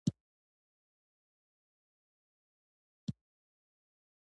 ځغاسته د ذهني سکون یو ډول دی